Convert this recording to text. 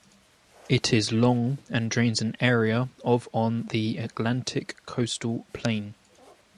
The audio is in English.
It is long and drains an area of on the Atlantic Coastal Plain.